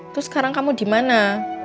terus sekarang kamu di mana